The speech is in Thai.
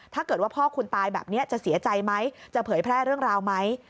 ถ้าเกิดว่าพ่อคุณตายแบบนี้จะเสียใจไหมจะเผยแพร่เรื่องราวไหม